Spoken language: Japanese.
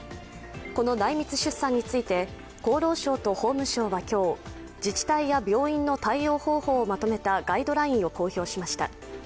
この内密出産について厚労省と法務省は今日自治体や病院の対応方法をまとめたガイドラインを公表しました。